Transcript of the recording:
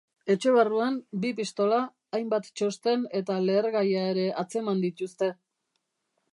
Etxe barruan bi pistola, hainbat txosten eta lehergaia ere atzeman dituzte.